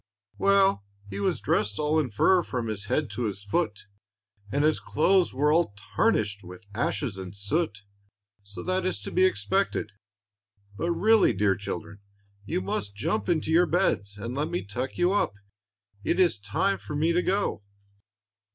"Well, 'he was dressed all in fur from his head to his foot, and his clothes were all tarnished with ashes and soot,' so that is to be expected. But really, dear children, you must jump into your beds, and let me tuck you up; it is time for me to go."